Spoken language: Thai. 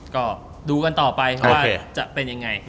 ก็ดูกันต่อไปว่าจะเป็นยังไง